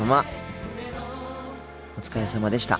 お疲れさまでした。